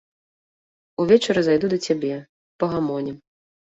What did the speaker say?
Увечары зайду да цябе, пагамонім.